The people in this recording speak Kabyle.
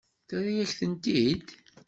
Terra-yak-tent-id?